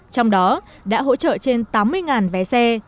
trong đó đã hỗ trợ trên tám mươi vé xe